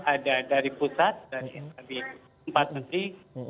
ada dari pusat dari skb empat menteri dan kesalahan dari daerahnya